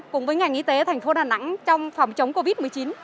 cùng với ngành y tế thành phố đà nẵng trong phòng chống covid một mươi chín